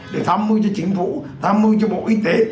để thăm mưu cho chính phủ thăm mưu cho bộ y tế